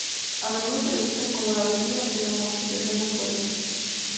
A menudo se le cita como la Biblia de la modificación del cuerpo.